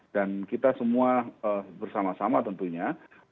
dan kita semua bersama sama tentunya